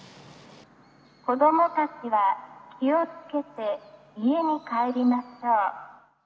子どもたちは気をつけて家に帰りましょう。